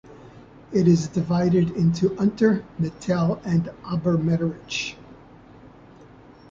It is divided into Unter-, Mittel- and Obermeiderich.